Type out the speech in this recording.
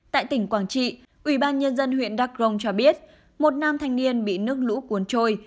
tại tỉnh quảng trị ubnd huyện đắk rồng cho biết một nam thanh niên bị nước lũ cuốn trôi